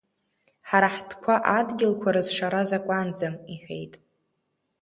Ҳара ҳтәқәа адгьылқәа рызшара закәанӡам, — иҳәеит.